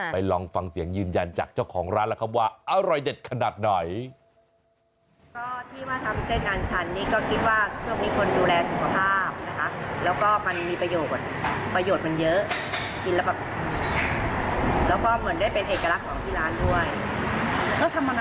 ลองฟังเสียงยืนยันจากเจ้าของร้านแล้วครับว่าอร่อยเด็ดขนาดไหน